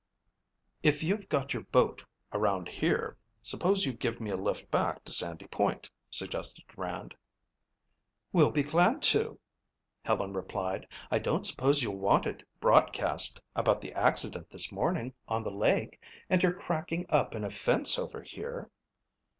"If you've got your boat around here, suppose you give me a lift back to Sandy Point," suggested Rand. "We'll be glad to," Helen replied. "I don't suppose you'll want it broadcast about the accident this morning on the lake and your cracking up in a fence over here?"